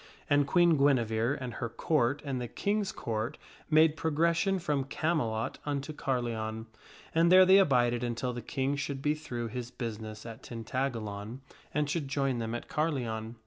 And Queen Guinevere and her Court and the King's Court made progres sion from Camelot unto Carleon, and there they abided until the King should be through his business at Tintagalon and should join them at Carleon.